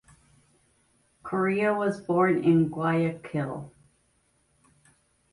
Correa was born in Guayaquil.